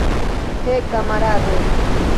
He, kamarado!